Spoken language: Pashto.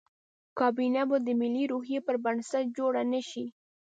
کابینه به د ملي روحیې پر بنسټ جوړه نه شي.